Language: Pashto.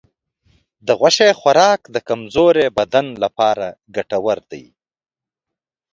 د غوښې خوراک د کمزورې بدن لپاره ګټور دی.